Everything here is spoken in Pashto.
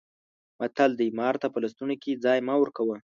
متل دی: مار ته په لستوڼي کې ځای مه ورکوه.